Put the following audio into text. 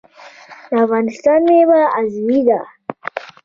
د افغانستان میوه عضوي ده